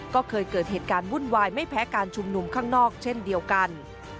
ก็เคยเกิดเหตุการณ์วุ่นวายไม่แพ้การชุมนุมข้างนอกเช่นเดียวกัน